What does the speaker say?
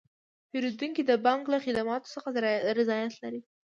پیرودونکي د بانک له خدماتو څخه رضایت لري.